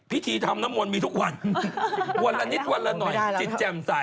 พิธีทำน้ำมนต์มีทุกวันวันละนิดวันละหน่อยจิตแจ่มใส